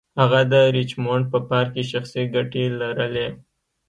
هغه د ریچمونډ په پارک کې شخصي ګټې لرلې.